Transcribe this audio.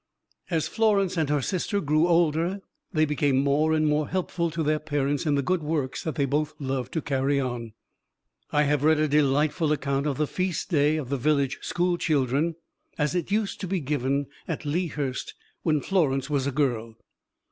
As Florence and her sister grew older they became more and more helpful to their parents in the good works that they both loved to carry on. I have read a delightful account of the "feast day" of the village school children, as it used to be given at Lea Hurst when Florence was a girl.